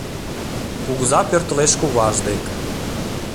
Кугыза пӧртылеш куваж дек